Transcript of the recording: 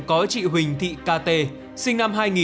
có chị huỳnh thị kt sinh năm hai nghìn